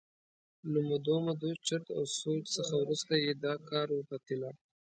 له مودو مودو چرت او سوچ څخه وروسته یې دا کار وپتېله.